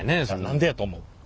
何でやと思う？